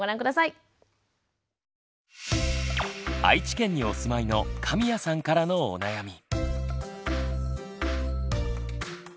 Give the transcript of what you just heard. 愛知県にお住まいの神谷さんからのお悩み。